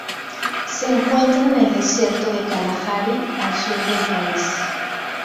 Se encuentra en el desierto de Kalahari, al sur del país.